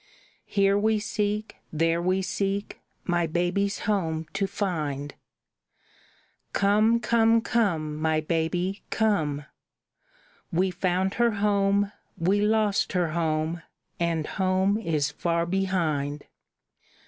Here we seek, there we seek, my baby's home to find. Come, come, come, my baby, come! We found her home, we lost her home, and home is far behind.